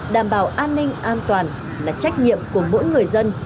đảm bảo an ninh an toàn là trách nhiệm của mỗi người dân